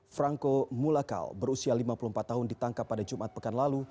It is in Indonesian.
franco mulacal berusia lima puluh empat tahun ditangkap pada jumat pekan lalu